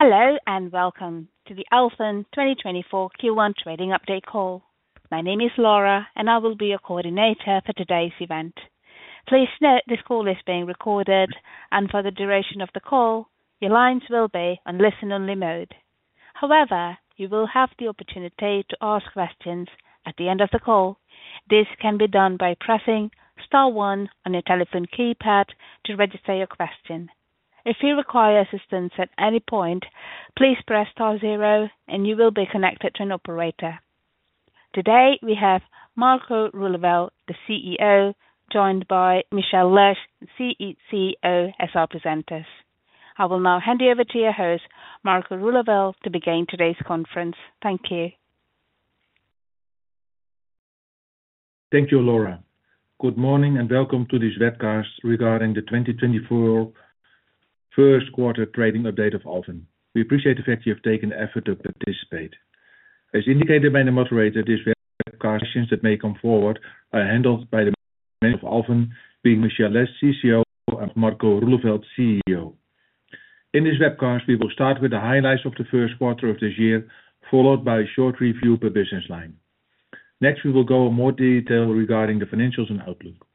Hello, and welcome to the Alfen 2024 Q1 trading update call. My name is Laura, and I will be your coordinator for today's event. Please note, this call is being recorded, and for the duration of the call, your lines will be on listen-only mode. However, you will have the opportunity to ask questions at the end of the call. This can be done by pressing star one on your telephone keypad to register your question. If you require assistance at any point, please press star zero and you will be connected to an operator. Today, we have Marco Roeleveld, the CEO, joined by Michelle Lesh, CCO, as our presenters. I will now hand you over to your host, Marco Roeleveld, to begin today's conference. Thank you. Thank you, Laura. Good morning, and welcome to this webcast regarding the 2024 first quarter trading update of Alfen. We appreciate the fact you have taken the effort to participate. As indicated by the moderator, this webcast, questions that may come forward are handled by the management of Alfen, being Michelle Lesh, CCO, and Marco Roeleveld, CEO. In this webcast, we will start with the highlights of the first quarter of this year, followed by a short review per business line. Next, we will go in more detail regarding the financials and outlook.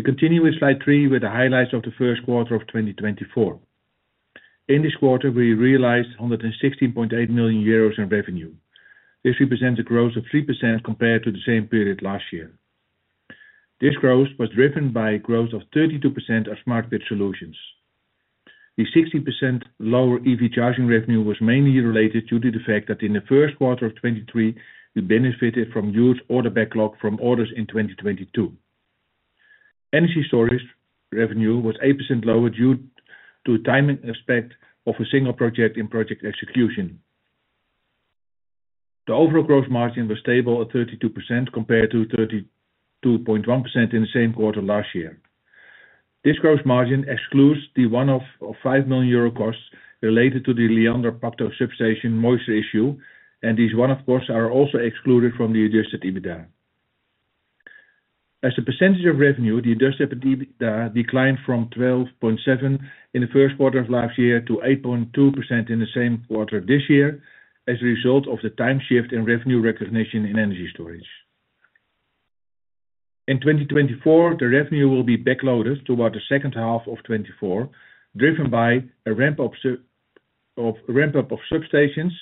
We continue with slide 3, with the highlights of the first quarter of 2024. In this quarter, we realized 116.8 million euros in revenue. This represents a growth of 3% compared to the same period last year. This growth was driven by a growth of 32% of Smart Grid Solutions. The 16% lower EV charging revenue was mainly related due to the fact that in the first quarter of 2023, we benefited from huge order backlog from orders in 2022. Energy storage revenue was 8% lower due to timing aspect of a single project in project execution. The overall gross margin was stable at 32%, compared to 32.1% in the same quarter last year. This gross margin excludes the one-off of 5 million euro costs related to the Liander Pacto substation moisture issue, and these one-off costs are also excluded from the adjusted EBITDA. As a percentage of revenue, the Adjusted EBITDA declined from 12.7 in the first quarter of last year to 8.2% in the same quarter this year, as a result of the time shift in revenue recognition in energy storage. In 2024, the revenue will be backloaded to about the second half of 2024, driven by a ramp up of, a ramp up of substations,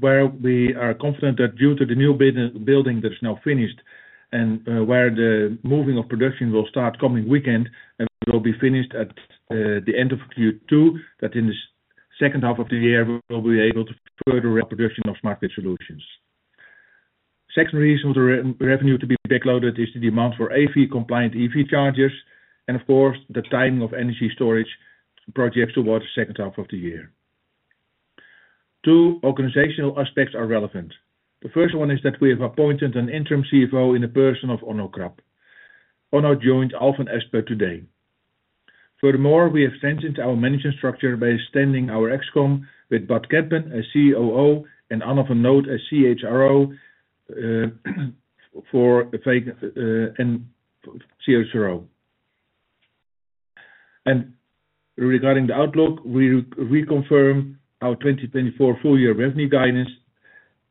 where we are confident that due to the new building that's now finished and, where the moving of production will start coming weekend and will be finished at, the end of Q2, that in the second half of the year, we will be able to further ramp production of Smart Grid Solutions. Second reason for revenue to be backloaded is the demand for AFIR-compliant EV chargers, and of course, the timing of energy storage projects towards the second half of the year. Two organizational aspects are relevant. The first one is that we have appointed an interim CFO in the person of Onno Krap. Onno joined Alfen as per today. Furthermore, we have strengthened our management structure by extending our ExCom with Bart Kempen, as COO, and Anne de Nood as CHRO. Regarding the outlook, we reconfirm our 2024 full-year revenue guidance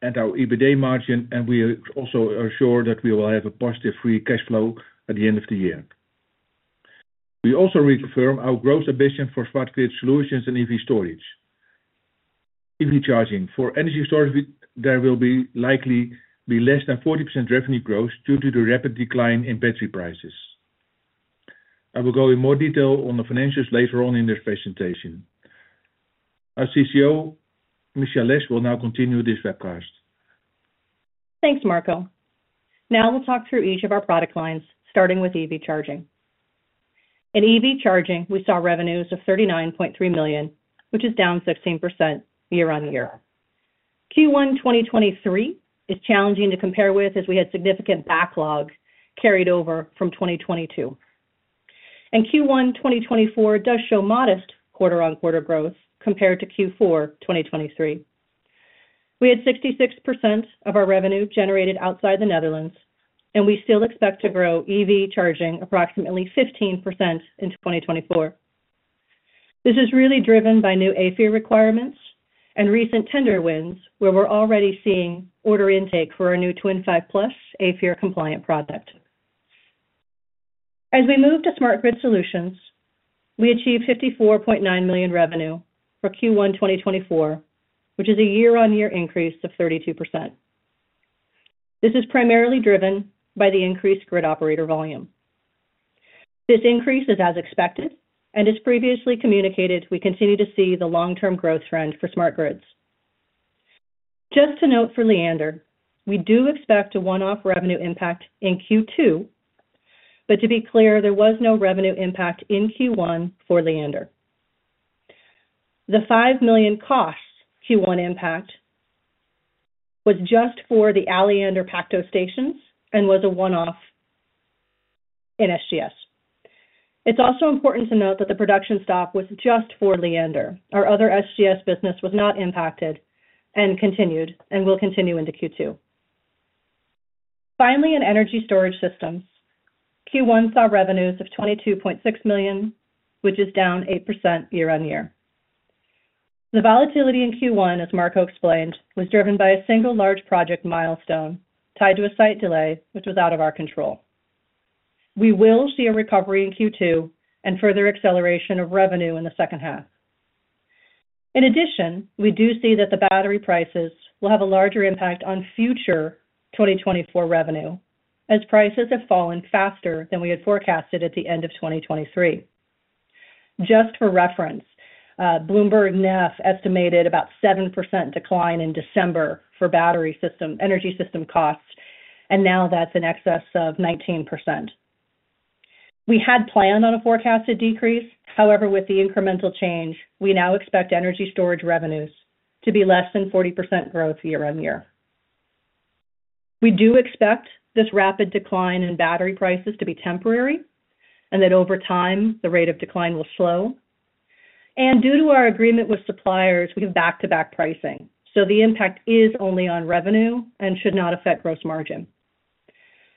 and our EBITDA margin, and we are also sure that we will have a positive free cash flow at the end of the year. We also reconfirm our growth ambition for Smart Grid Solutions and EV storage. EV charging. For energy storage, we... There will likely be less than 40% revenue growth due to the rapid decline in battery prices. I will go in more detail on the financials later on in this presentation. Our CCO, Michelle Lesh, will now continue this webcast. Thanks, Marco. Now we'll talk through each of our product lines, starting with EV charging. In EV charging, we saw revenues of 39.3 million, which is down 16% year on year. Q1 2023 is challenging to compare with, as we had significant backlogs carried over from 2022. Q1 2024 does show modest quarter-on-quarter growth compared to Q4 2023. We had 66% of our revenue generated outside the Netherlands, and we still expect to grow EV charging approximately 15% into 2024. This is really driven by new AFIR requirements and recent tender wins, where we're already seeing order intake for our new Twin 5 Plus AFIR-compliant product. As we move to Smart Grid Solutions, we achieved 54.9 million revenue for Q1 2024, which is a year-on-year increase of 32%. This is primarily driven by the increased grid operator volume. This increase is as expected, and as previously communicated, we continue to see the long-term growth trend for smart grids. Just to note for Liander, we do expect a one-off revenue impact in Q2, but to be clear, there was no revenue impact in Q1 for Liander. The EUR 5 million cost Q1 impact was just for the Liander Pacto stations and was a one-off in SGS. It's also important to note that the production stop was just for Liander. Our other SGS business was not impacted and continued, and will continue into Q2. Finally, in energy storage systems, Q1 saw revenues of 22.6 million, which is down 8% year-on-year. The volatility in Q1, as Marco explained, was driven by a single large project milestone tied to a site delay, which was out of our control. We will see a recovery in Q2 and further acceleration of revenue in the second half. In addition, we do see that the battery prices will have a larger impact on future 2024 revenue, as prices have fallen faster than we had forecasted at the end of 2023. Just for reference, BloombergNEF estimated about 7% decline in December for battery system, energy system costs, and now that's in excess of 19%. We had planned on a forecasted decrease. However, with the incremental change, we now expect energy storage revenues to be less than 40% growth year-on-year. We do expect this rapid decline in battery prices to be temporary, and that over time, the rate of decline will slow. Due to our agreement with suppliers, we have back-to-back pricing, so the impact is only on revenue and should not affect gross margin.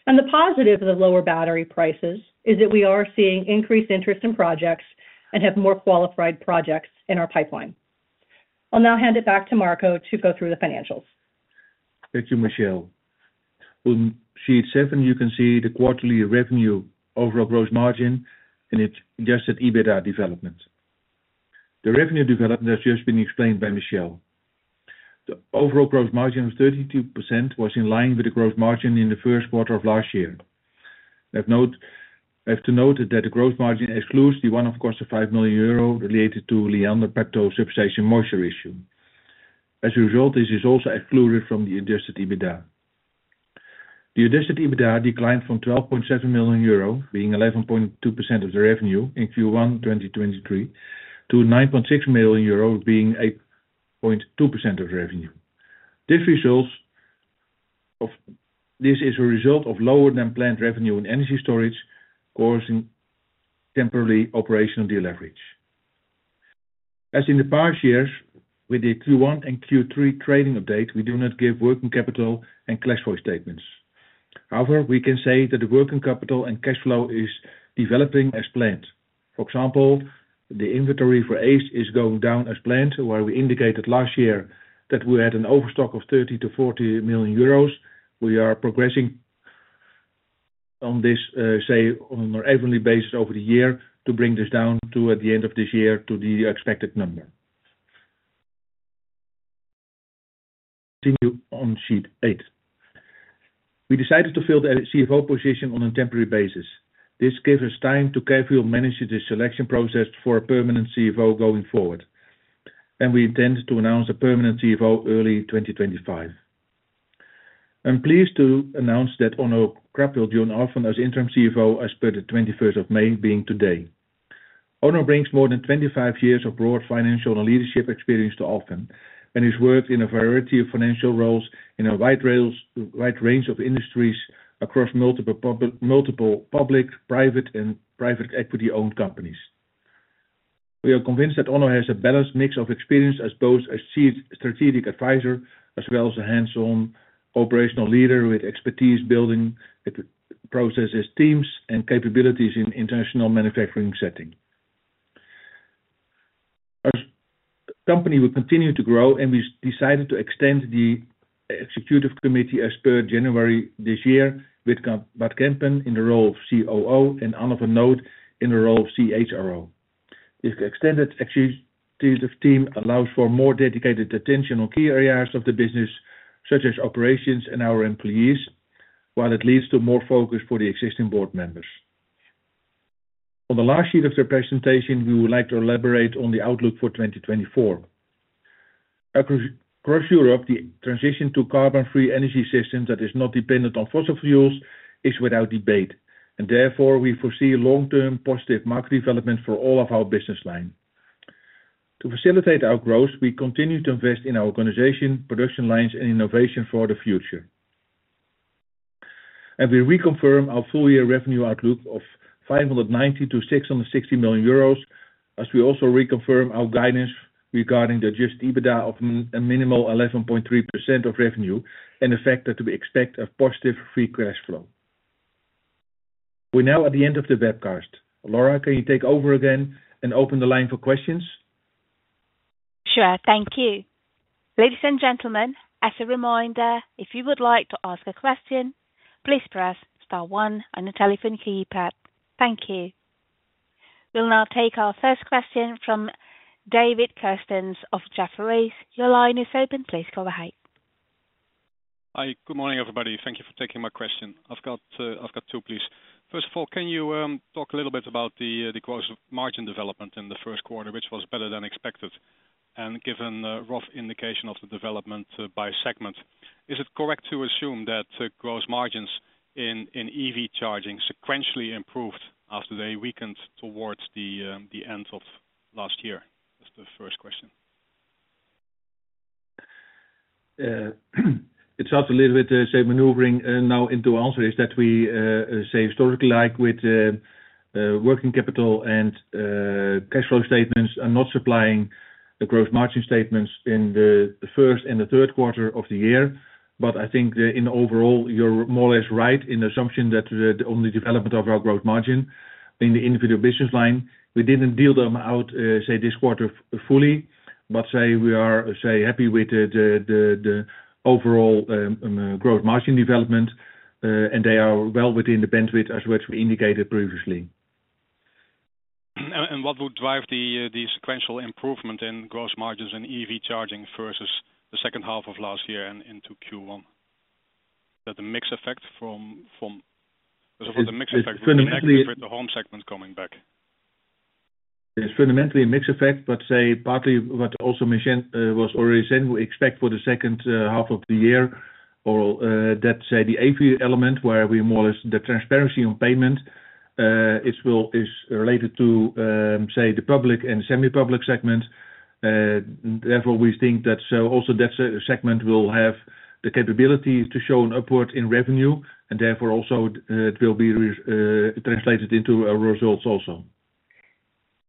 The positive of the lower battery prices is that we are seeing increased interest in projects and have more qualified projects in our pipeline. I'll now hand it back to Marco to go through the financials. Thank you, Michelle. On sheet seven, you can see the quarterly revenue overall gross margin, and it's the EBITDA development. The revenue development has just been explained by Michelle. The overall gross margin of 32% was in line with the gross margin in the first quarter of last year. I have to note that the gross margin excludes the one-off cost of 5 million euro related to Liander Pacto substation moisture issue. As a result, this is also excluded from the adjusted EBITDA. The adjusted EBITDA declined from 12.7 million euro, being 11.2% of the revenue in Q1 2023, to 9.6 million euro, being 8.2% of revenue. This is a result of lower than planned revenue in energy storage, causing temporary operational deleverage. As in the past years, with the Q1 and Q3 trading update, we do not give working capital and cash flow statements. However, we can say that the working capital and cash flow is developing as planned. For example, the inventory for AC is going down as planned, where we indicated last year that we had an overstock of 30 million-40 million euros. We are progressing on this, say, on a more evenly basis over the year to bring this down to, at the end of this year, to the expected number. Continue on sheet eight. We decided to fill the CFO position on a temporary basis. This gives us time to carefully manage the selection process for a permanent CFO going forward, and we intend to announce a permanent CFO early 2025. I'm pleased to announce that Onno Krap will join Alfen as interim CFO as per the 21st of May, being today. Onno brings more than 25 years of broad financial and leadership experience to Alfen, and he's worked in a variety of financial roles in a wide range of industries across multiple public, private, and private equity-owned companies. We are convinced that Onno has a balanced mix of experience as both a chief strategic advisor, as well as a hands-on operational leader with expertise building processes, teams, and capabilities in international manufacturing setting. As the company will continue to grow, and we've decided to extend the executive committee as per January this year with Bart Kempen in the role of COO and Anne de Nood in the role of CHRO. This extended executive team allows for more dedicated attention on key areas of the business, such as operations and our employees, while it leads to more focus for the existing board members. On the last sheet of the presentation, we would like to elaborate on the outlook for 2024. Across Europe, the transition to carbon-free energy system that is not dependent on fossil fuels is without debate, and therefore we foresee a long-term positive market development for all of our business line. To facilitate our growth, we continue to invest in our organization, production lines, and innovation for the future. We reconfirm our full-year revenue outlook of 590 million-660 million euros, as we also reconfirm our guidance regarding the Adjusted EBITDA of a minimal 11.3% of revenue and the factor to be expect a positive free cash flow. We're now at the end of the webcast. Laura, can you take over again and open the line for questions? Sure. Thank you. Ladies and gentlemen, as a reminder, if you would like to ask a question, please press star one on the telephone keypad. Thank you. We'll now take our first question from David Kerstens of Jefferies. Your line is open. Please go ahead. Hi, good morning, everybody. Thank you for taking my question. I've got, I've got two, please. First of all, can you talk a little bit about the gross margin development in the first quarter, which was better than expected, and given a rough indication of the development by segment? Is it correct to assume that the gross margins in EV charging sequentially improved after they weakened towards the end of last year? That's the first question. It's also a little bit, say, maneuvering, now, the answer is that we, say historically, like with, working capital and, cash flow statements, are not supplying the gross margin statements in the first and the third quarter of the year. But I think in overall, you're more or less right in the assumption that, on the development of our gross margin in the individual business line, we didn't detail them out, say, this quarter fully, but say we are, say, happy with the overall gross margin development, and they are well within the bandwidth as what we indicated previously. And what would drive the sequential improvement in gross margins and EV charging versus the second half of last year and into Q1? That the mix effect from, from- It fundamentally- The mix effect with the home segment coming back. It's fundamentally a mix effect, but say, partly what also mentioned was already said, we expect for the second half of the year or that say the AFIR element, where we more or less the transparency on payment is related to say the public and semi-public segment. Therefore, we think that so also that segment will have the capability to show an upward in revenue, and therefore also it will be translated into our results also.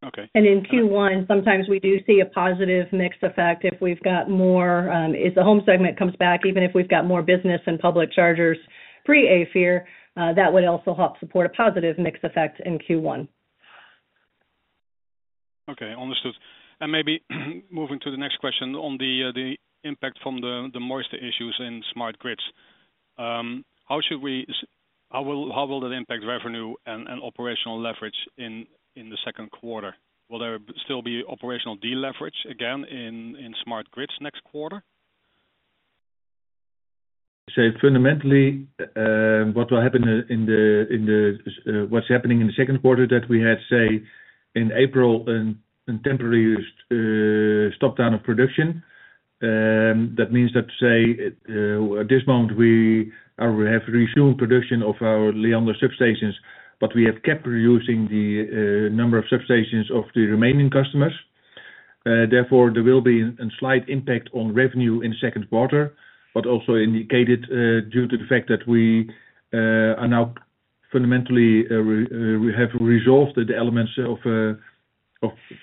Okay. In Q1, sometimes we do see a positive mix effect. If the home segment comes back, even if we've got more business and public chargers pre-AFIR, that would also help support a positive mix effect in Q1. Okay, understood. And maybe moving to the next question on the impact from the moisture issues in Smart Grids. How will that impact revenue and operational leverage in the second quarter? Will there still be operational deleverage again in Smart Grids next quarter? So fundamentally, what will happen in the second quarter, that we had in April, temporary stop down of production. That means that at this moment, we have resumed production of our Liander substations, but we have kept reducing the number of substations of the remaining customers. Therefore, there will be a slight impact on revenue in the second quarter, but also indicated, due to the fact that we are now fundamentally, we have resolved the elements of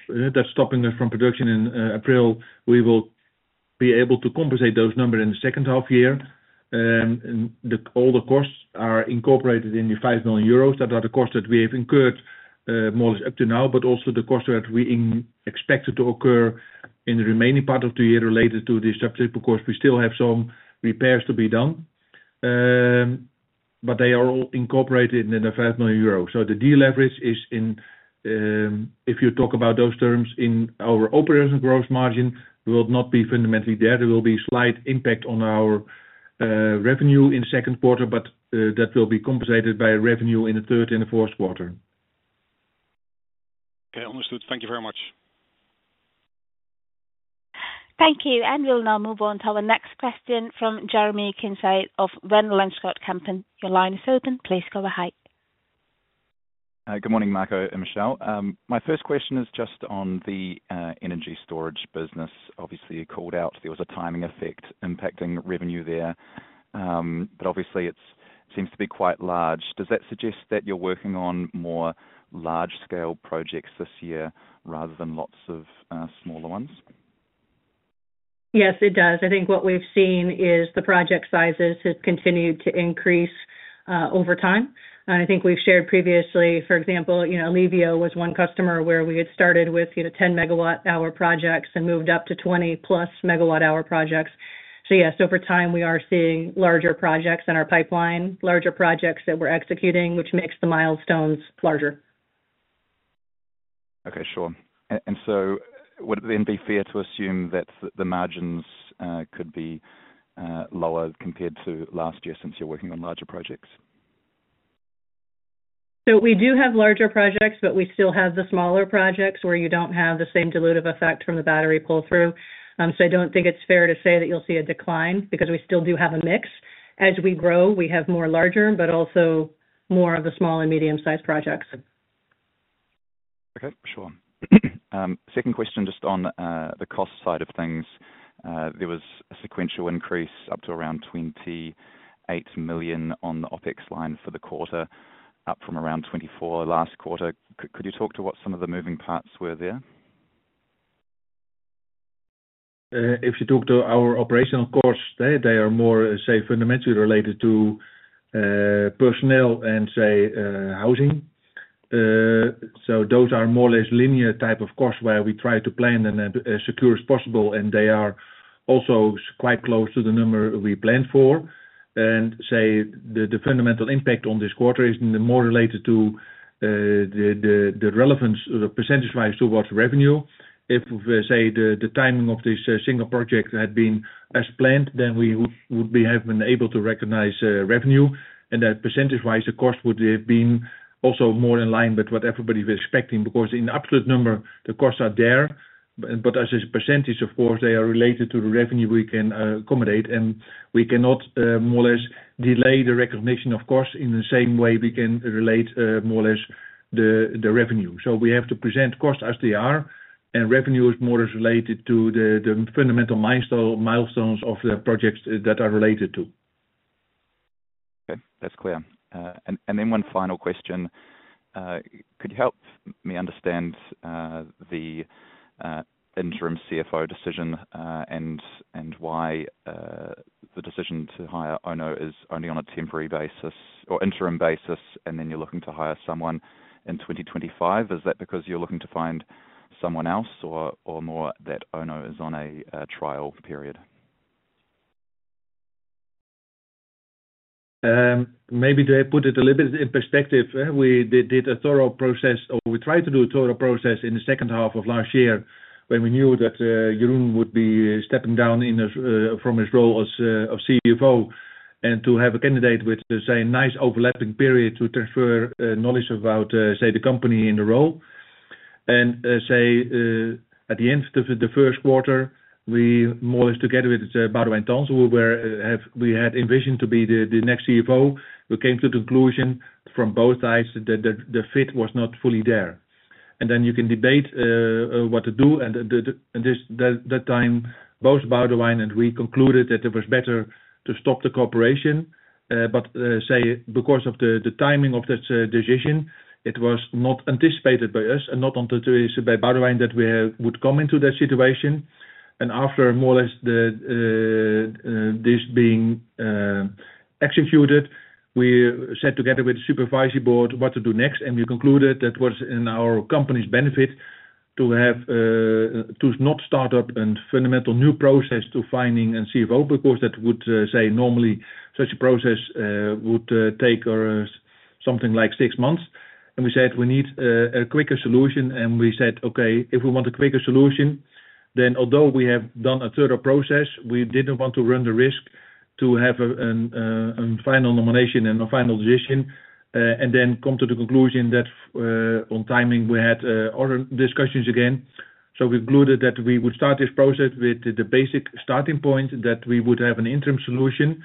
that stopping us from production in April. We will be able to compensate those number in the second half year. And all the costs are incorporated in the 5 million euros. Those are the costs that we have incurred, more or less up to now, but also the costs that we expect to occur in the remaining part of the year related to this subject, because we still have some repairs to be done. But they are all incorporated in the 5 million euros. So the deleverage is in, if you talk about those terms, in our operating growth margin, will not be fundamentally there. There will be slight impact on our revenue in second quarter, but that will be compensated by revenue in the third and the fourth quarter. Okay, understood. Thank you very much. Thank you, and we'll now move on to our next question from Jeremy Kincaid of Van Lanschot Kempen. Your line is open. Please go ahead. Good morning, Marco and Michelle. My first question is just on the energy storage business. Obviously, you called out there was a timing effect impacting revenue there, but obviously, it's seems to be quite large. Does that suggest that you're working on more large-scale projects this year, rather than lots of smaller ones? Yes, it does. I think what we've seen is the project sizes have continued to increase over time. I think we've shared previously, for example, you know, Ellevio was one customer where we had started with, you know, 10-MWh projects and moved up to 20+-MWh projects. So yes, over time, we are seeing larger projects in our pipeline, larger projects that we're executing, which makes the milestones larger. Okay, sure. And so would it then be fair to assume that the margins could be lower compared to last year since you're working on larger projects? We do have larger projects, but we still have the smaller projects, where you don't have the same dilutive effect from the battery pull-through. So I don't think it's fair to say that you'll see a decline, because we still do have a mix. As we grow, we have more larger, but also more of the small and medium-sized projects. Okay, sure. Second question, just on the cost side of things. There was a sequential increase up to around 28 million on the OpEx line for the quarter, up from around 24 million last quarter. Could you talk to what some of the moving parts were there? If you talk to our operational costs, they are more fundamentally related to personnel and housing. So those are more or less linear type of costs, where we try to plan them as secure as possible, and they are also quite close to the number we planned for. The fundamental impact on this quarter is more related to the relevance, the percentage-wise towards revenue. If the timing of this single project had been as planned, then we would have been able to recognize revenue. That percentage-wise, the cost would have been also more in line with what everybody was expecting, because in absolute number, the costs are there. But as a percentage, of course, they are related to the revenue we can accommodate, and we cannot more or less delay the recognition of costs in the same way we can relate more or less the revenue. So we have to present costs as they are, and revenue is more or less related to the fundamental milestones of the projects that are related to. Okay, that's clear. And then one final question. Could you help me understand the interim CFO decision, and why the decision to hire Onno is only on a temporary basis or interim basis, and then you're looking to hire someone in 2025. Is that because you're looking to find someone else or more that Onno is on a trial period? Maybe to put it a little bit in perspective, we did a thorough process or we tried to do a thorough process in the second half of last year when we knew that Jeroen would be stepping down from his role as CFO. And to have a candidate with the same nice overlapping period to transfer knowledge about, say, the company in the role. And, say, at the end of the first quarter, we more or less together with Boudewijn Tans, we had envisioned to be the next CFO, we came to the conclusion from both sides that the fit was not fully there. And then you can debate what to do, and at that time, both Boudewijn and we concluded that it was better to stop the cooperation. But because of the timing of this decision, it was not anticipated by us and not anticipated by Boudewijn, that we would come into that situation. And after more or less this being executed, we sat together with the supervisory board what to do next, and we concluded that was in our company's benefit to have to not start up a fundamental new process to finding a CFO, because that would normally such a process would take or something like six months. And we said, we need a quicker solution. And we said, "Okay, if we want a quicker solution, then although we have done a thorough process, we didn't want to run the risk to have a final nomination and a final decision, and then come to the conclusion that on timing, we had other discussions again." So we concluded that we would start this process with the basic starting point, that we would have an interim solution.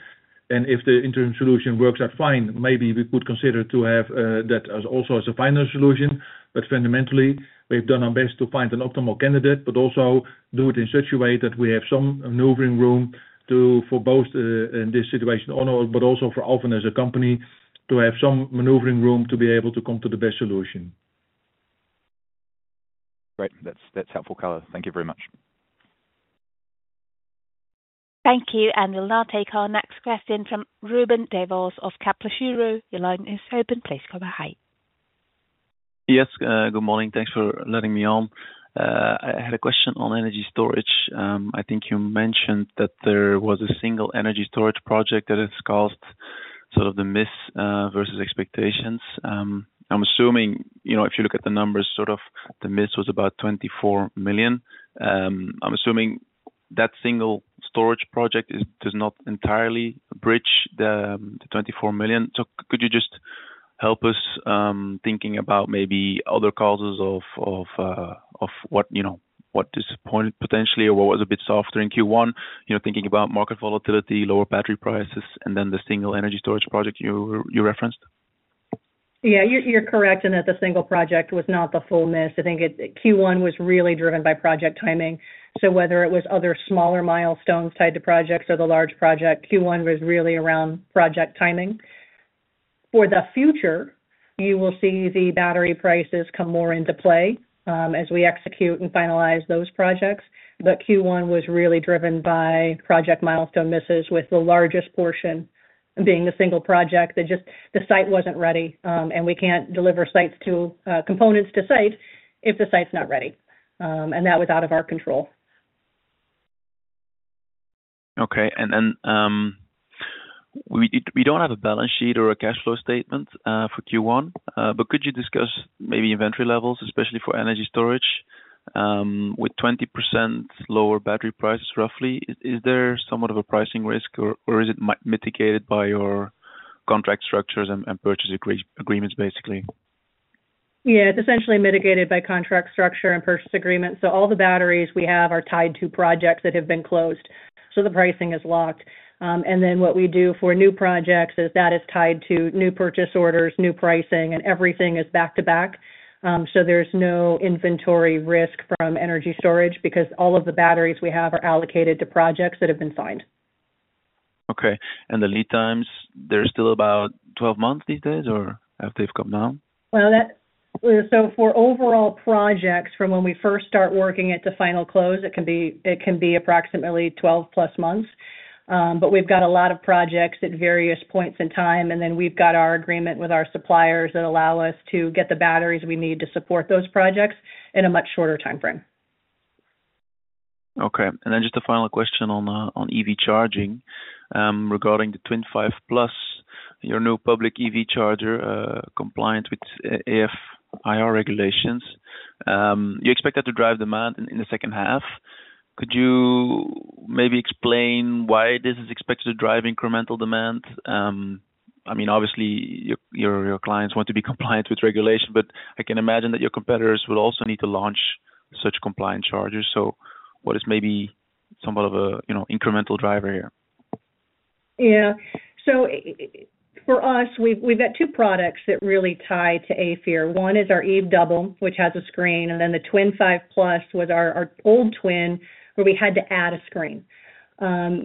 And if the interim solution works out fine, maybe we could consider to have that as also as a final solution. But fundamentally, we've done our best to find an optimal candidate, but also do it in such a way that we have some maneuvering room to, for both, in this situation, Onno, but also for Alfen as a company, to have some maneuvering room to be able to come to the best solution. Great. That's, that's helpful color. Thank you very much. Thank you. We'll now take our next question from Ruben Devos of KBC Securities. Your line is open. Please go ahead. Yes, good morning. Thanks for letting me on. I had a question on energy storage. I think you mentioned that there was a single energy storage project that has caused sort of the miss versus expectations. I'm assuming, you know, if you look at the numbers, sort of the miss was about 24 million. I'm assuming that single storage project is, does not entirely bridge the 24 million. So could you just help us thinking about maybe other causes of what, you know, what disappointed potentially or what was a bit softer in Q1? You know, thinking about market volatility, lower battery prices, and then the single energy storage project you referenced. Yeah, you're correct in that the single project was not the full miss. I think it Q1 was really driven by project timing. So whether it was other smaller milestones tied to projects or the large project, Q1 was really around project timing. For the future, you will see the battery prices come more into play as we execute and finalize those projects. But Q1 was really driven by project milestone misses, with the largest portion being the single project that just... The site wasn't ready, and we can't deliver components to site if the site's not ready. And that was out of our control. Okay. And then, we don't have a balance sheet or a cash flow statement for Q1, but could you discuss maybe inventory levels, especially for energy storage, with 20% lower battery prices roughly? Is there somewhat of a pricing risk or is it mitigated by your contract structures and purchase agreements, basically? Yeah, it's essentially mitigated by contract structure and purchase agreements. So all the batteries we have are tied to projects that have been closed, so the pricing is locked. And then what we do for new projects is that is tied to new purchase orders, new pricing, and everything is back-to-back. So there's no inventory risk from energy storage, because all of the batteries we have are allocated to projects that have been signed. Okay. The lead times, they're still about 12 months these days, or have they come down? Well, so for overall projects, from when we first start working it to final close, it can be, it can be approximately 12+ months. But we've got a lot of projects at various points in time, and then we've got our agreement with our suppliers that allow us to get the batteries we need to support those projects in a much shorter timeframe. Okay. And then just a final question on EV charging. Regarding the Twin 5 Plus, your new public EV charger compliant with AFIR regulations. You expect that to drive demand in the second half. Could you maybe explain why this is expected to drive incremental demand? I mean, obviously, your, your, your clients want to be compliant with regulation, but I can imagine that your competitors will also need to launch such compliant chargers. So what is maybe somewhat of a, you know, incremental driver here? Yeah. So for us, we've got two products that really tie to AFIR. One is our Eve Double, which has a screen, and then the Twin 5 Plus with our old Twin, where we had to add a screen.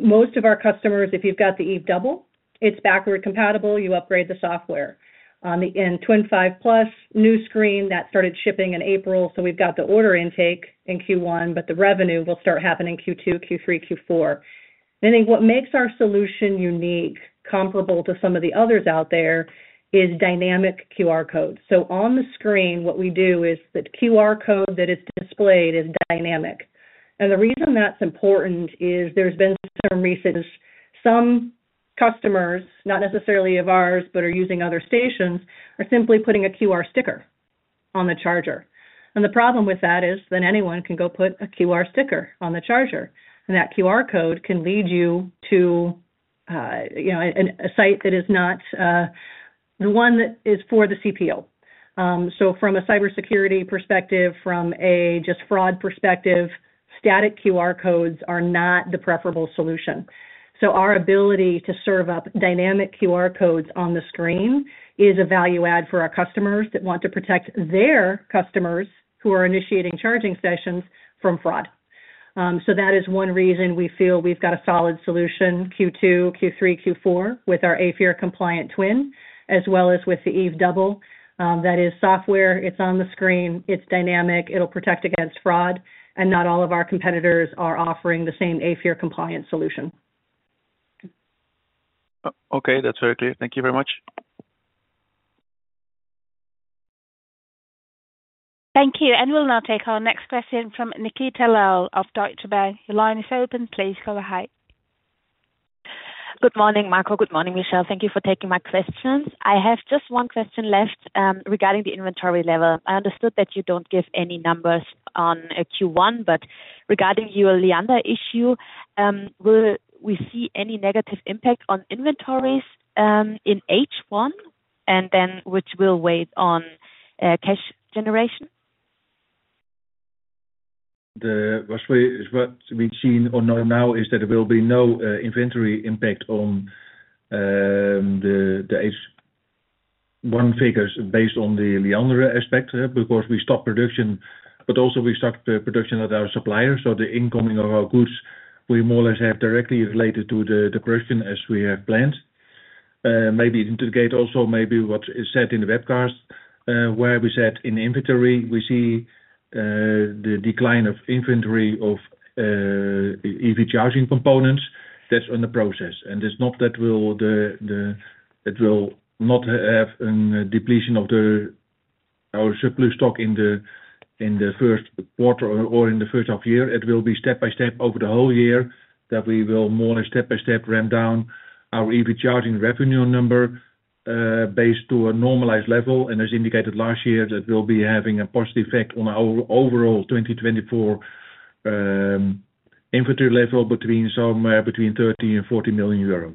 Most of our customers, if you've got the Eve Double, it's backward compatible, you upgrade the software. On the Twin 5 Plus, new screen that started shipping in April, so we've got the order intake in Q1, but the revenue will start happening Q2, Q3, Q4. I think what makes our solution unique, comparable to some of the others out there, is dynamic QR codes. So on the screen, what we do is the QR code that is displayed is dynamic. And the reason that's important is there's been some recent, some customers, not necessarily of ours, but are using other stations, are simply putting a QR sticker on the charger. And the problem with that is then anyone can go put a QR sticker on the charger, and that QR code can lead you to, you know, a site that is not the one that is for the CPO. So from a cybersecurity perspective, from a just fraud perspective, static QR codes are not the preferable solution. So our ability to serve up dynamic QR codes on the screen is a value add for our customers that want to protect their customers who are initiating charging sessions from fraud. So, that is one reason we feel we've got a solid solution, Q2, Q3, Q4, with our AFIR compliant twin, as well as with the Eve Double. That is software, it's on the screen, it's dynamic, it'll protect against fraud, and not all of our competitors are offering the same AFIR compliance solution. Okay, that's very clear. Thank you very much. Thank you. We'll now take our next question from Nikita Lal of Deutsche Bank. Your line is open. Please go ahead. Good morning, Marco. Good morning, Michelle. Thank you for taking my questions. I have just one question left, regarding the inventory level. I understood that you don't give any numbers on, Q1, but regarding your Liander issue, will we see any negative impact on inventories, in H1, and then which will weigh on, cash generation? What we've seen or know now is that there will be no inventory impact on the H1 figures based on the Liander aspect. Because we stopped production, but also we stopped the production at our suppliers, so the incoming of our goods, we more or less have directly related to the production as we have planned. Maybe to integrate also what is said in the webcast, where we said in the inventory, we see the decline of inventory of EV charging components. That's in the process, and it's not that will the--it will not have a depletion of our surplus stock in the first quarter or in the first half year. It will be step by step over the whole year, that we will more step by step ramp down our EV charging revenue number based to a normalized level. And as indicated last year, that will be having a positive effect on our overall 2024 inventory level between 13 and 14 million EUR.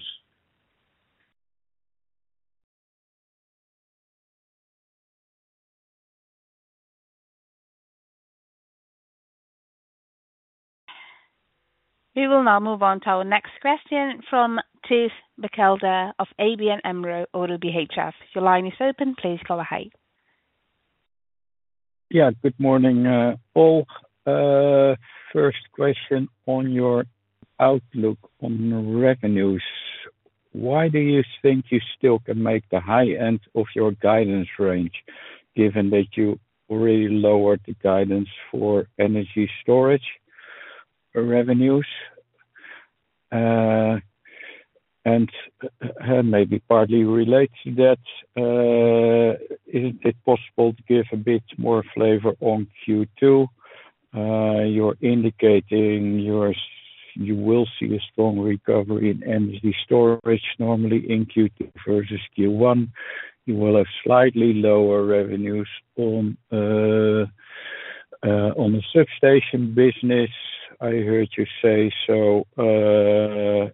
We will now move on to our next question from Thijs Berkelder of ABN AMRO ODDO BHF. Your line is open. Please go ahead. Yeah, good morning, all. First question on your outlook on revenues. Why do you think you still can make the high end of your guidance range, given that you already lowered the guidance for energy storage revenues? And, maybe partly related to that, is it possible to give a bit more flavor on Q2? You're indicating you will see a strong recovery in energy storage, normally in Q2 versus Q1. You will have slightly lower revenues on, on the substation business, I heard you say. So,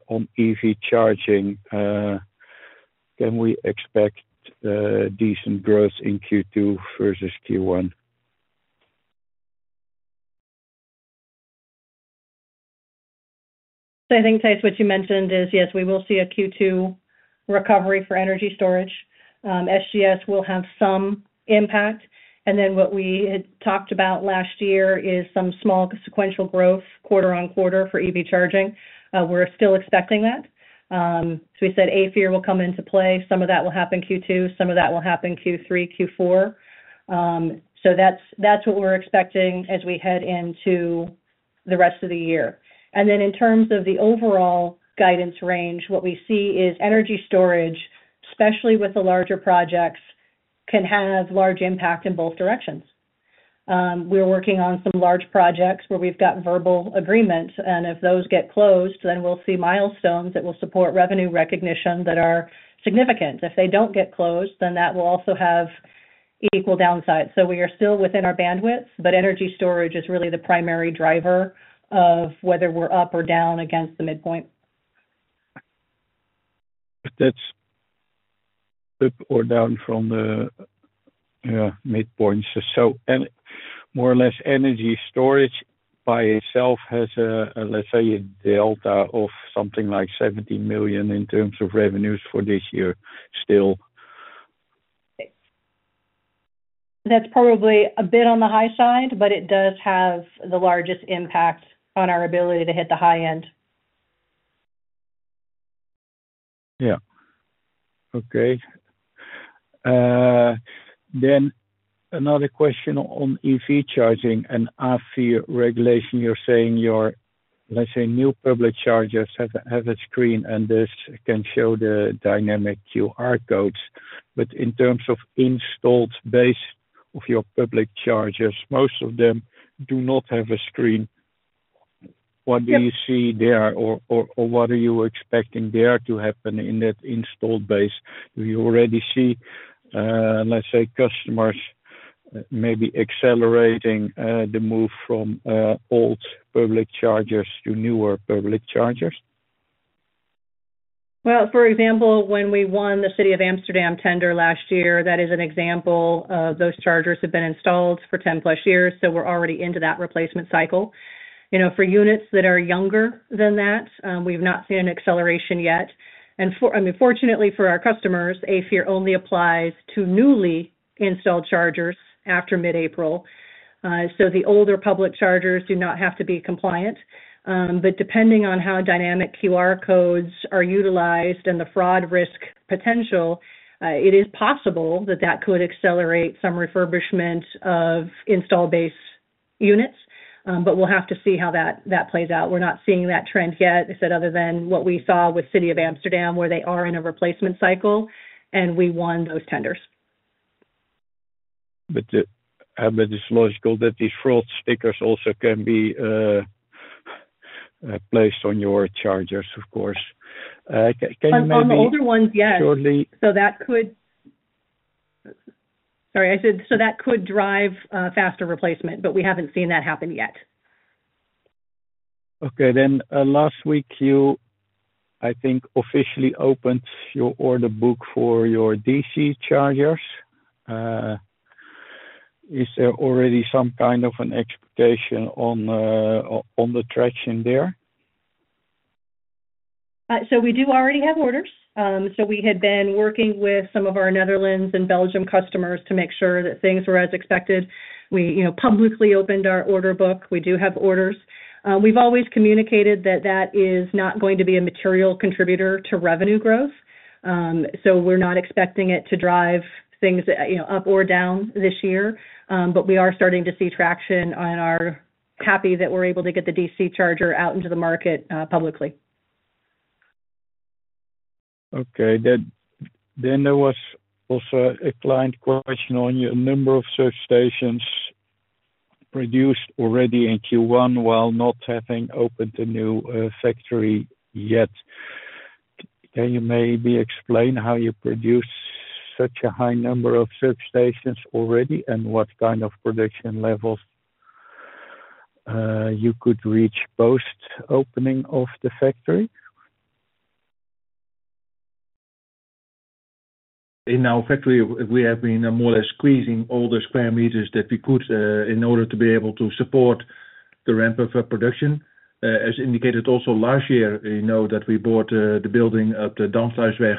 on EV charging, can we expect, decent growth in Q2 versus Q1? So I think, Thijs, what you mentioned is, yes, we will see a Q2 recovery for energy storage. SGS will have some impact, and then what we had talked about last year is some small sequential growth quarter on quarter for EV charging. We're still expecting that. So we said AFIR will come into play. Some of that will happen Q2, some of that will happen Q3, Q4. So that's, that's what we're expecting as we head into the rest of the year. And then in terms of the overall guidance range, what we see is energy storage, especially with the larger projects, can have large impact in both directions. We're working on some large projects where we've got verbal agreements, and if those get closed, then we'll see milestones that will support revenue recognition that are significant. If they don't get closed, then that will also have equal downsides. So we are still within our bandwidth, but energy storage is really the primary driver of whether we're up or down against the midpoint. If that's up or down from the midpoints. So, and more or less energy storage by itself has a, let's say, a delta of something like 17 million in terms of revenues for this year, still?... That's probably a bit on the high side, but it does have the largest impact on our ability to hit the high end. Yeah. Okay. Then another question on EV charging and AFIR regulation. You're saying your, let's say, new public chargers have a screen, and this can show the dynamic QR codes. But in terms of installed base of your public chargers, most of them do not have a screen. Yeah. What do you see there? Or, what are you expecting there to happen in that installed base? Do you already see, let's say, customers, maybe accelerating, the move from, old public chargers to newer public chargers? Well, for example, when we won the City of Amsterdam tender last year, that is an example. Those chargers have been installed for 10+ years, so we're already into that replacement cycle. You know, for units that are younger than that, we've not seen an acceleration yet. I mean, fortunately for our customers, AFIR only applies to newly installed chargers after mid-April. So the older public chargers do not have to be compliant. But depending on how dynamic QR codes are utilized and the fraud risk potential, it is possible that that could accelerate some refurbishment of installed base units. But we'll have to see how that, that plays out. We're not seeing that trend yet, instead, other than what we saw with City of Amsterdam, where they are in a replacement cycle, and we won those tenders. But it's logical that these fraud stickers also can be placed on your chargers, of course. Can you maybe- On the older ones, yes. Shortly- Sorry, I said, so that could drive faster replacement, but we haven't seen that happen yet. Okay, then, last week, you, I think, officially opened your order book for your DC chargers. Is there already some kind of an expectation on, on, on the traction there? So we do already have orders. So we had been working with some of our Netherlands and Belgium customers to make sure that things were as expected. We, you know, publicly opened our order book. We do have orders. We've always communicated that that is not going to be a material contributor to revenue growth. So we're not expecting it to drive things, you know, up or down this year. But we are starting to see traction and are happy that we're able to get the DC charger out into the market, publicly. Okay, then, then there was also a client question on your number of charging stations reduced already in Q1 while not having opened the new factory yet. Can you maybe explain how you produce such a high number of charging stations already, and what kind of production levels you could reach post-opening of the factory? In our factory, we have been more or less squeezing all the square meters that we could in order to be able to support the ramp of production. As indicated also last year, you know, that we bought the building at the Damsluisweg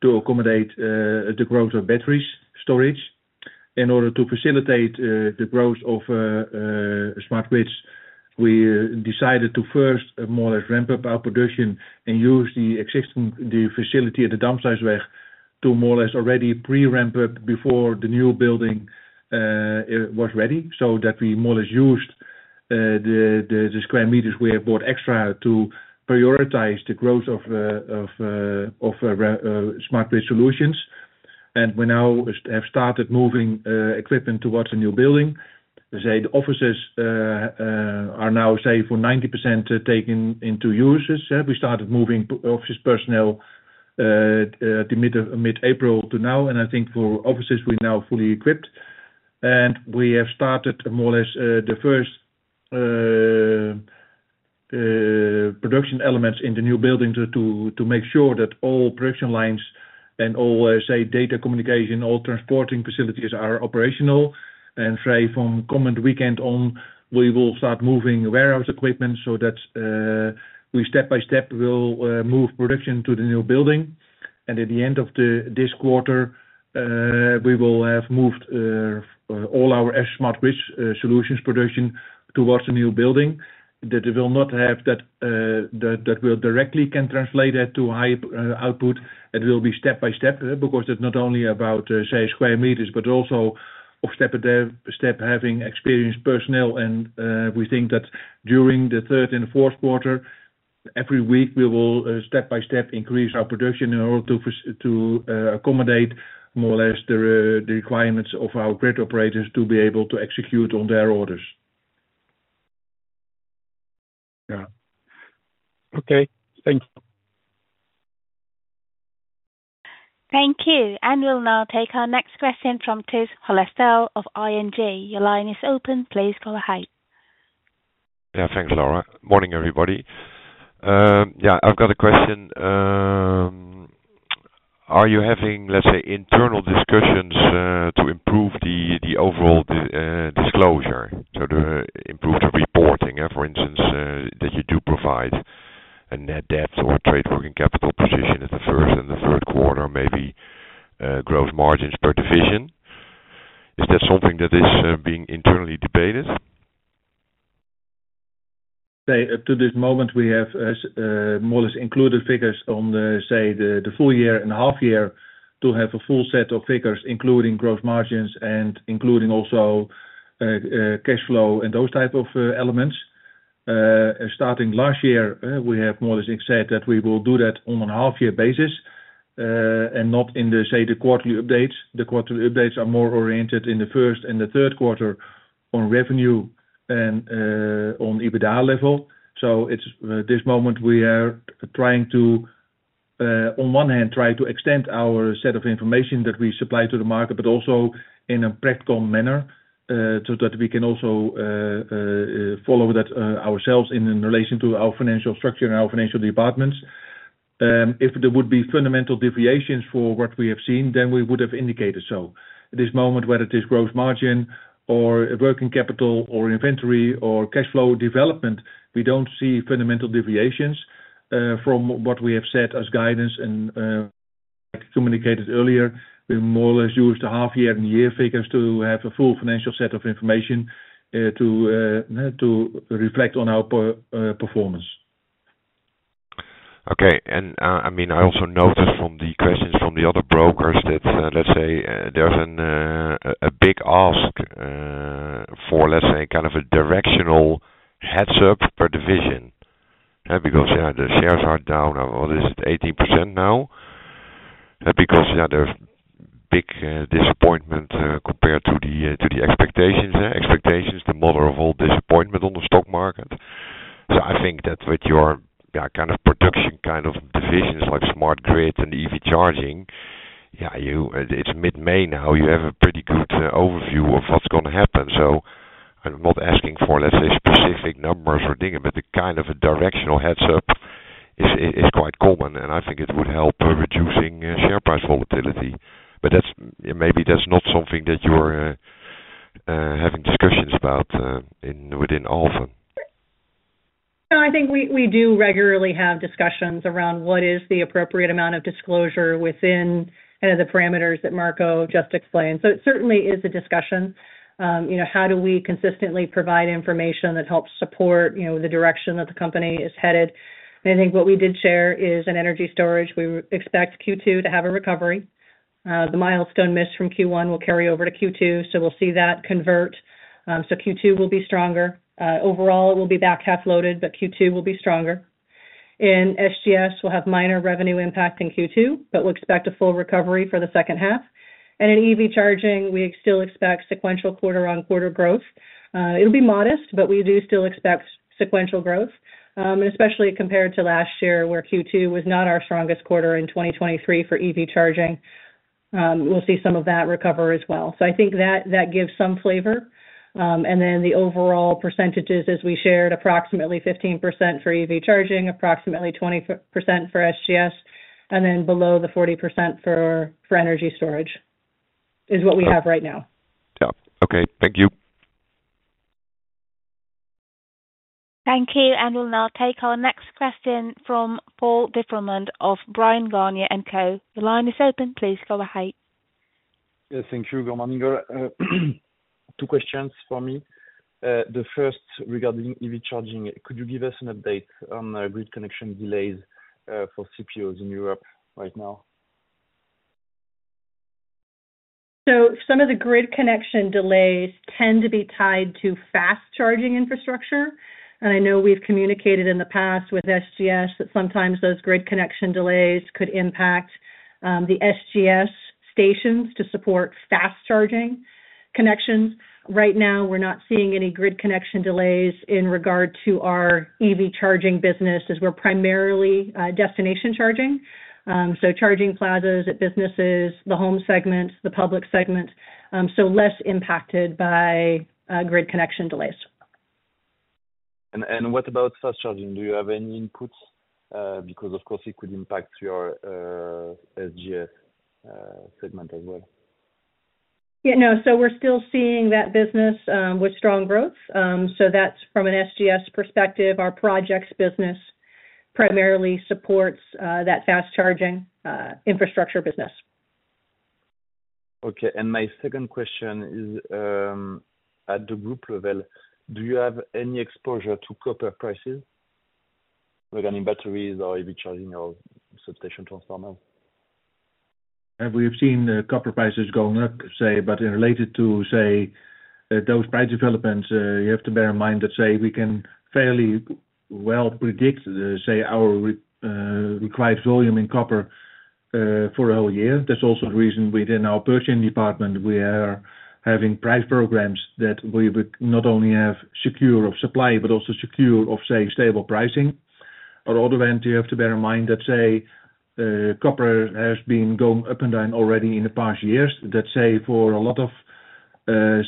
to accommodate the growth of battery storage. In order to facilitate the growth of Smart Grid, we decided to first more or less ramp up our production and use the existing facility at the Damsluisweg to more or less already pre-ramp up before the new building was ready, so that we more or less used the square meters we have bought extra to prioritize the growth of Smart Grid Solutions. We now have started moving equipment towards the new building. Let's say, the offices are now, say, for 90%, taken into uses. We started moving office personnel the mid of mid-April to now, and I think for offices, we're now fully equipped. We have started more or less the first production elements in the new building to make sure that all production lines and all, say, data communication, all transporting facilities are operational. Say, from coming weekend on, we will start moving warehouse equipment so that we step by step will move production to the new building. At the end of this quarter, we will have moved all our Smart Grid solutions production towards the new building, that it will not have that, that will directly can translate that to high output. It will be step by step, because it's not only about, say, square meters, but also of step-by-step having experienced personnel. And we think that during the third and fourth quarter, every week, we will step by step increase our production in order to first to accommodate more or less the requirements of our grid operators to be able to execute on their orders. Yeah. Okay, thank you. Thank you. We'll now take our next question from Tijn Hollestelle of ING. Your line is open. Please go ahead. Yeah, thanks, Laura. Morning, everybody. Yeah, I've got a question. Are you having, let's say, internal discussions, to improve the overall disclosure, so to improve the reporting, for instance, that you do provide? A net debt or a trade working capital position in the first and the third quarter, maybe, growth margins per division. Is that something that is being internally debated? Up to this moment, we have more or less included figures on the full year and half year to have a full set of figures, including growth margins and including also cash flow and those type of elements. Starting last year, we have more or less said that we will do that on a half year basis, and not in the quarterly updates. The quarterly updates are more oriented in the first and the third quarter on revenue and on EBITDA level. So it's, at this moment, we are trying to, on one hand, try to extend our set of information that we supply to the market, but also in a practical manner, so that we can also follow that ourselves in relation to our financial structure and our financial departments. If there would be fundamental deviations from what we have seen, then we would have indicated so. At this moment, whether it is gross margin or working capital or inventory or cash flow development, we don't see fundamental deviations from what we have said as guidance and, like communicated earlier, we more or less use the half year and year figures to have a full financial set of information to reflect on our performance. Okay. I mean, I also noticed from the questions from the other brokers that, let's say, there's a big ask for, let's say, kind of a directional heads up per division. Because, yeah, the shares are down, what is it, 80% now? Because, yeah, there's big disappointment compared to the expectations. Expectations, the mother of all disappointment on the stock market. So I think that with your, yeah, kind of production, kind of divisions, like smart grid and EV charging, yeah, you-- it's mid-May now, you have a pretty good overview of what's going to happen. So I'm not asking for, let's say, specific numbers or dingen, but the kind of a directional heads up is quite common, and I think it would help reducing share price volatility. But that's maybe not something that you're having discussions about within Alfen. No, I think we do regularly have discussions around what is the appropriate amount of disclosure within kind of the parameters that Marco just explained. So it certainly is a discussion. You know, how do we consistently provide information that helps support, you know, the direction that the company is headed? And I think what we did share is in energy storage, we expect Q2 to have a recovery. The milestone missed from Q1 will carry over to Q2, so we'll see that convert. So Q2 will be stronger. Overall, it will be back half loaded, but Q2 will be stronger. In SGS, we'll have minor revenue impact in Q2, but we'll expect a full recovery for the second half. And in EV charging, we still expect sequential quarter-on-quarter growth. It'll be modest, but we do still expect sequential growth, especially compared to last year, where Q2 was not our strongest quarter in 2023 for EV charging. We'll see some of that recover as well. So I think that, that gives some flavor. And then the overall percentages, as we shared, approximately 15% for EV charging, approximately 20% for SGS, and then below the 40% for, for energy storage, is what we have right now. Yeah. Okay. Thank you. Thank you, and we'll now take our next question from Paul de Froment of Bryan, Garnier & Co. The line is open, please go ahead. Yes, thank you. Good morning, two questions for me. The first regarding EV charging, could you give us an update on grid connection delays for CPOs in Europe right now? So some of the grid connection delays tend to be tied to fast charging infrastructure. I know we've communicated in the past with SGS that sometimes those grid connection delays could impact the SGS stations to support fast charging connections. Right now, we're not seeing any grid connection delays in regard to our EV charging business, as we're primarily destination charging. So charging plazas at businesses, the home segments, the public segments, so less impacted by grid connection delays. What about fast charging? Do you have any inputs? Because, of course, it could impact your SGS segment as well. Yeah, no. So we're still seeing that business with strong growth. So that's from an SGS perspective, our projects business primarily supports that fast charging infrastructure business. Okay, and my second question is, at the group level, do you have any exposure to copper prices regarding batteries or EV charging or substation transformers? And we've seen the copper prices going up, say, but in related to, say, those price developments, you have to bear in mind that, say, we can fairly well predict, say, our required volume in copper, for a whole year. That's also the reason within our purchasing department, we are having price programs that we would not only have secure of supply, but also secure of, say, stable pricing. On other hand, you have to bear in mind that, say, copper has been going up and down already in the past years. That say for a lot of,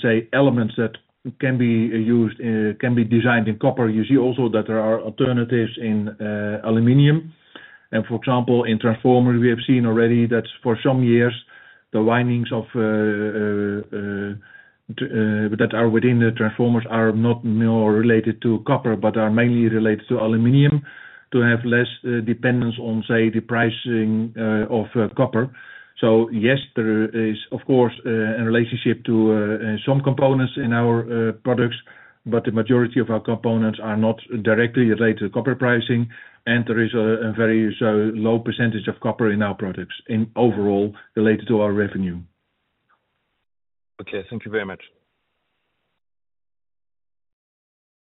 say, elements that can be used, can be designed in copper, you see also that there are alternatives in, aluminum. And for example, in transformers, we have seen already that for some years-... The windings of that are within the transformers are not more related to copper, but are mainly related to aluminum to have less dependence on, say, the pricing of copper. So yes, there is, of course, a relationship to some components in our products, but the majority of our components are not directly related to copper pricing, and there is a very so low percentage of copper in our products in overall related to our revenue. Okay, thank you very much.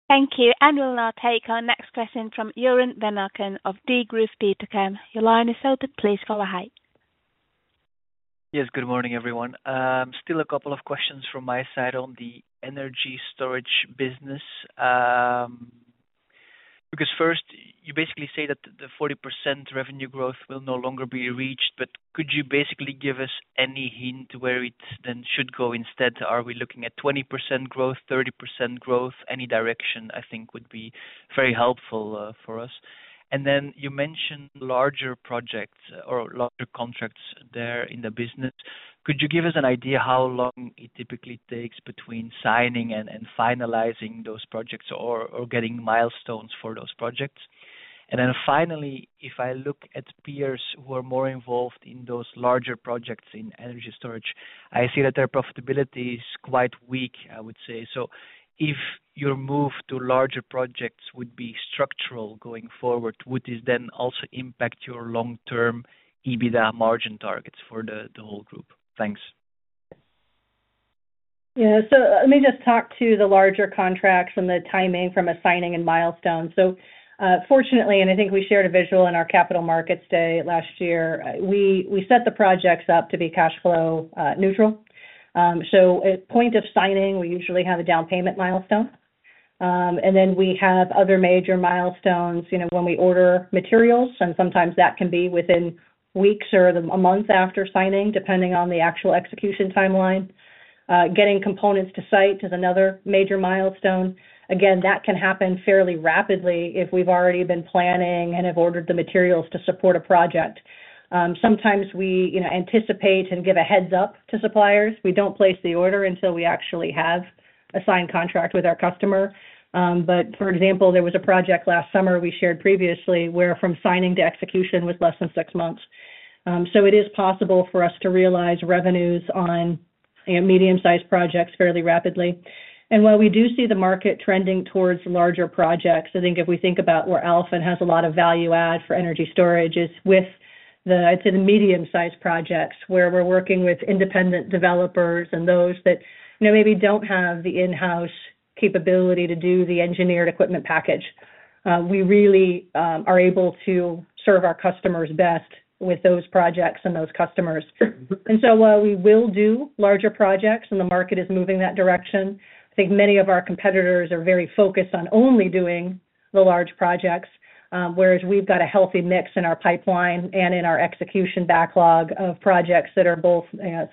Thank you. And we'll now take our next question from Joren van Aken of Degroof Petercam. Your line is open. Please go ahead. Yes, good morning, everyone. Still a couple of questions from my side on the energy storage business. Because first, you basically say that the 40% revenue growth will no longer be reached, but could you basically give us any hint where it then should go instead? Are we looking at 20% growth, 30% growth? Any direction, I think, would be very helpful, for us. And then you mentioned larger projects or larger contracts there in the business. Could you give us an idea how long it typically takes between signing and finalizing those projects or getting milestones for those projects? And then finally, if I look at peers who are more involved in those larger projects in energy storage, I see that their profitability is quite weak, I would say. So if your move to larger projects would be structural going forward, would this then also impact your long-term EBITDA margin targets for the whole group? Thanks. Yeah. So let me just talk to the larger contracts and the timing from a signing and milestone. So, fortunately, and I think we shared a visual in our Capital Markets Day last year, we set the projects up to be cash flow neutral. So at point of signing, we usually have a down payment milestone. And then we have other major milestones, you know, when we order materials, and sometimes that can be within weeks or a month after signing, depending on the actual execution timeline. Getting components to site is another major milestone. Again, that can happen fairly rapidly if we've already been planning and have ordered the materials to support a project. Sometimes we, you know, anticipate and give a heads up to suppliers. We don't place the order until we actually have a signed contract with our customer. But, for example, there was a project last summer we shared previously, where from signing to execution was less than six months. So it is possible for us to realize revenues on, you know, medium-sized projects fairly rapidly. And while we do see the market trending towards larger projects, I think if we think about where Alfen has a lot of value add for energy storage, is with the, I'd say, the medium-sized projects, where we're working with independent developers and those that, you know, maybe don't have the in-house capability to do the engineered equipment package. We really are able to serve our customers best with those projects and those customers. And so while we will do larger projects, and the market is moving that direction, I think many of our competitors are very focused on only doing the large projects, whereas we've got a healthy mix in our pipeline and in our execution backlog of projects that are both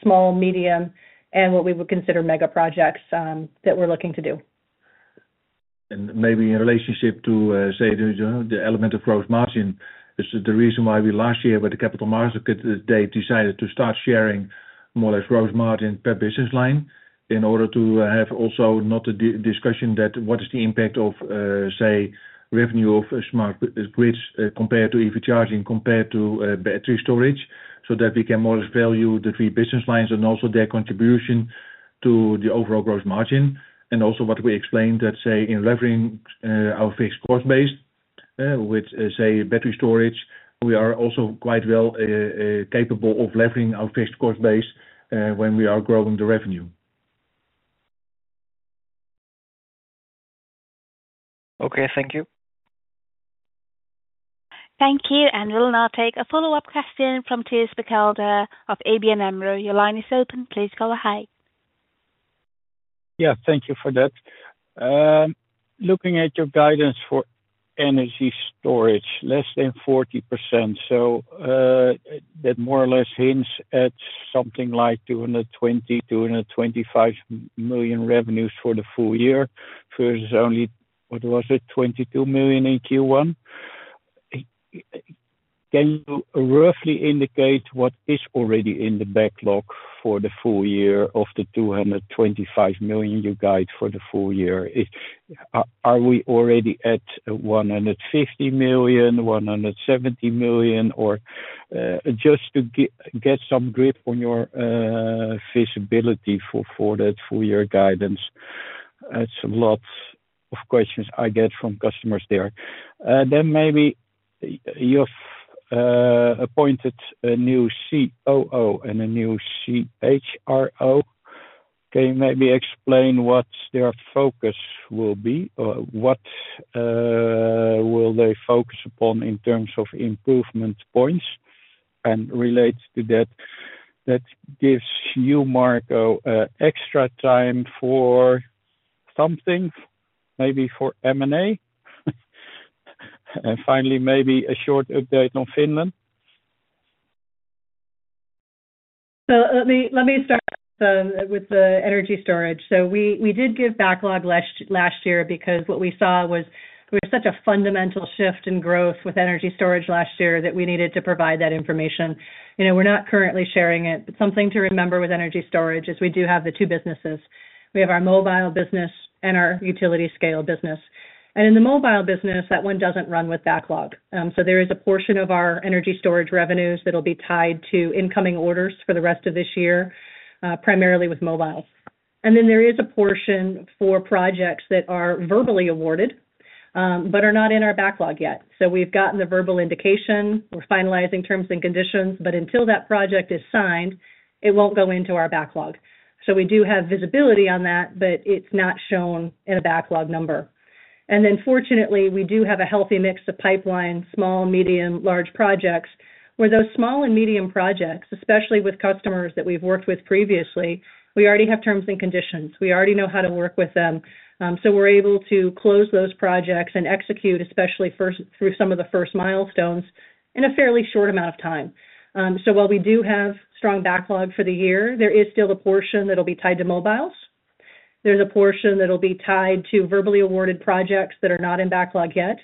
small, medium, and what we would consider mega projects that we're looking to do. Maybe in relationship to, say, the element of gross margin, is the reason why we last year with the capital market, they decided to start sharing more or less gross margin per business line in order to have also not a detailed discussion that what is the impact of, say, revenue of a Smart Grid, compared to EV charging, compared to battery storage. So that we can more or less value the three business lines and also their contribution to the overall gross margin, and also what we explained that, say, in leveraging our fixed cost base, which is, say, battery storage, we are also quite well capable of leveraging our fixed cost base when we are growing the revenue. Okay, thank you. Thank you, and we'll now take a follow-up question from Thijs Berkelder of ABN AMRO. Your line is open. Please go ahead. Yeah, thank you for that. Looking at your guidance for energy storage, less than 40%. So, that more or less hints at something like 220-225 million revenues for the full year, versus only, what was it? 22 million in Q1. Can you roughly indicate what is already in the backlog for the full year of the 225 million you guide for the full year? Is... Are we already at 150 million, 170 million, or just to get some grip on your visibility for that full year guidance? That's a lot of questions I get from customers there. Then maybe you've appointed a new COO and a new CHRO. Can you maybe explain what their focus will be or what, will they focus upon in terms of improvement points? And relates to that, that gives you, Marco, extra time for something, maybe for M&A? And finally, maybe a short update on Finland. So with the energy storage. So we did give backlog last year because what we saw was, we had such a fundamental shift in growth with energy storage last year, that we needed to provide that information. You know, we're not currently sharing it, but something to remember with energy storage is we do have the two businesses. We have our mobile business and our utility scale business. And in the mobile business, that one doesn't run with backlog. So there is a portion of our energy storage revenues that'll be tied to incoming orders for the rest of this year, primarily with mobile. And then there is a portion for projects that are verbally awarded, but are not in our backlog yet. So we've gotten the verbal indication, we're finalizing terms and conditions, but until that project is signed, it won't go into our backlog. We do have visibility on that, but it's not shown in a backlog number. Fortunately, we do have a healthy mix of pipeline, small, medium, large projects, where those small and medium projects, especially with customers that we've worked with previously, we already have terms and conditions. We already know how to work with them. We're able to close those projects and execute, especially first, through some of the first milestones, in a fairly short amount of time. While we do have strong backlog for the year, there is still a portion that'll be tied to mobiles. There's a portion that'll be tied to verbally awarded projects that are not in backlog yet,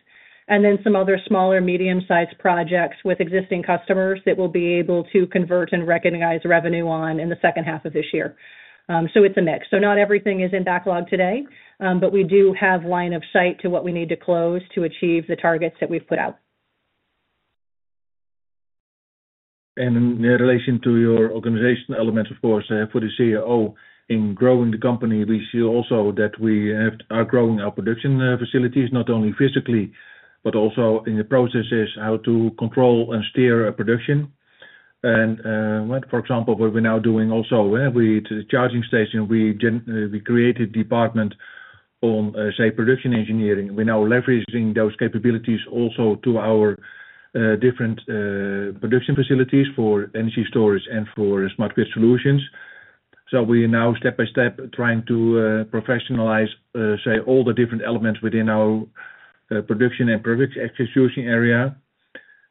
and then some other smaller, medium-sized projects with existing customers that we'll be able to convert and recognize revenue on in the second half of this year. So it's a mix. So not everything is in backlog today, but we do have line of sight to what we need to close to achieve the targets that we've put out. In relation to your organizational elements, of course, for the CEO in growing the company, we see also that we are growing our production facilities, not only physically, but also in the processes, how to control and steer a production. Like, for example, what we're now doing also, where we, to the charging station, we created department on, say, production engineering. We're now leveraging those capabilities also to our different production facilities for energy storage and for smart grid solutions. So we now step-by-step, trying to professionalize, say, all the different elements within our production and product execution area.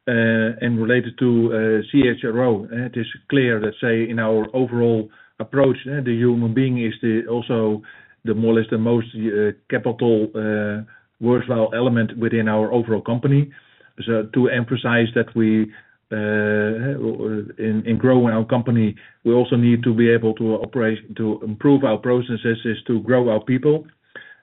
And related to CHRO, it is clear that, say, in our overall approach, the human being is the, also the more or less, the most, capital, worthwhile element within our overall company. So to emphasize that we, in growing our company, we also need to be able to operate, to improve our processes, is to grow our people.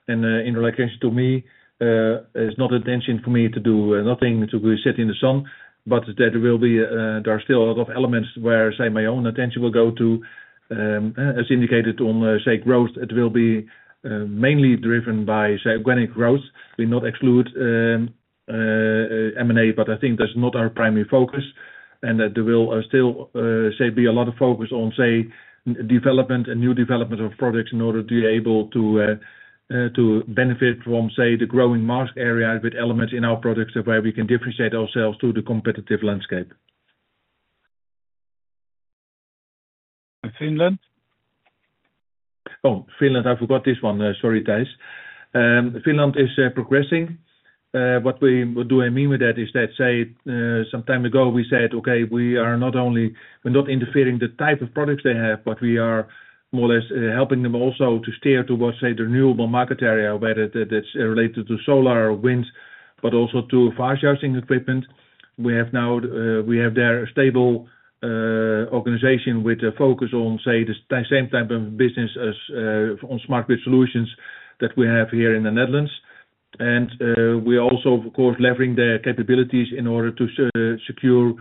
And, in relation to me, it's not intention for me to do nothing, to be sit in the sun, but there will be, there are still a lot of elements where, say, my own attention will go to, as indicated on, say, growth. It will be mainly driven by, say, organic growth. We do not exclude M&A, but I think that's not our primary focus, and that there will still be a lot of focus on development and new development of products in order to be able to benefit from the growing market area with elements in our products, where we can differentiate ourselves through the competitive landscape. Finland? Oh, Finland, I forgot this one. Sorry, Thijs. Finland is progressing. What do I mean by that is that, say, some time ago, we said, "Okay, we are not only, we're not interfering the type of products they have, but we are more or less helping them also to steer towards, say, the renewable market area, whether that's related to solar or wind, but also to fast charging equipment." We have now, we have there a stable organization with a focus on, say, the same type of business as on smart grid solutions that we have here in the Netherlands. And we also, of course, leveraging their capabilities in order to secure,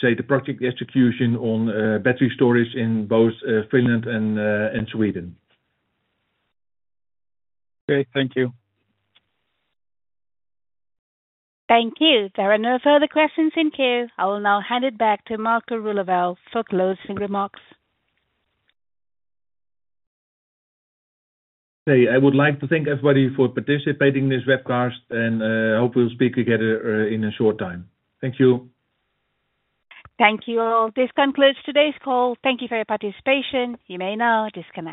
say, the project execution on battery storage in both Finland and Sweden. Okay, thank you. Thank you. There are no further questions in queue. I will now hand it back to Marco Roeleveld for closing remarks. Hey, I would like to thank everybody for participating in this webcast, and hope we'll speak again in a short time. Thank you. Thank you all. This concludes today's call. Thank you for your participation. You may now disconnect.